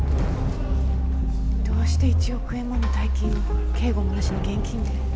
どうして１億円もの大金を警護もなしに現金で。